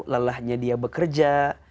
lelahnya dia bekerja